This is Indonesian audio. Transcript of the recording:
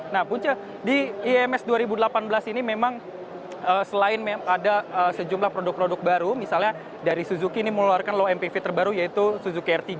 nah punca di ims dua ribu delapan belas ini memang selain ada sejumlah produk produk baru misalnya dari suzuki ini mengeluarkan low mpv terbaru yaitu suzuki r tiga